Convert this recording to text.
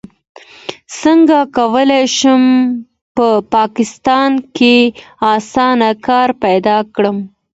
څنګه کولی شم په پاکستان کې اسانه کار پیدا کړم